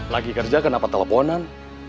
lagi kerja kenapa teleponan